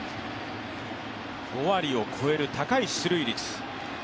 ５割を超える高い出塁率。